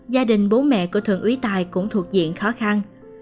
gia đình bố mẹ của thượng úy tài cũng thuộc diện khó khăn